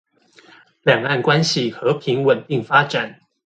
兩岸關係和平穩定發展